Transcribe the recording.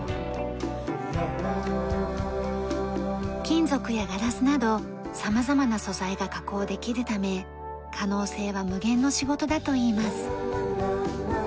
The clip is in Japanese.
金属やガラスなど様々な素材が加工できるため可能性は無限の仕事だといいます。